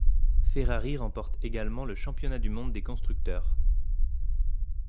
Ferrari remporte également le championnat du monde des constructeurs.